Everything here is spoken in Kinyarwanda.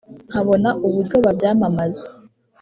nkabona uburyo babyamamaza